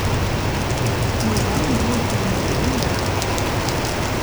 Yuba yella yefhem Dahbiya.